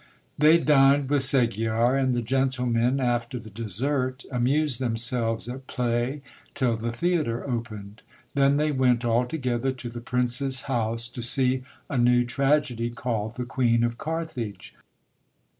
They dined with Segiar ; and the gentlemen, after the dessert, amused them selves at play till the theatre opened. Then they went all together to the Prince's House, to see a new tragedy, called The Queen of Carthage.